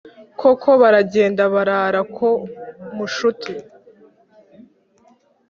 koko baragenda barara ku mushuti